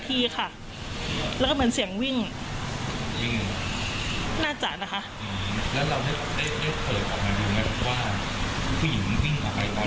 ผู้หญิงมันวิ่งออกไปก่อน